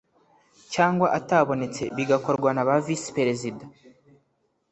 cyangwa atabonetse bigakorwa naba visiperezida